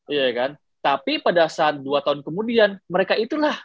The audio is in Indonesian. iya kan tapi pada saat dua tahun kemudian mereka itulah